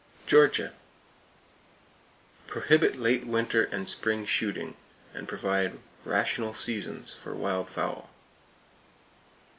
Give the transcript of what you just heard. Georgia: Prohibit late winter and spring shooting, and provide rational seasons for wild fowl.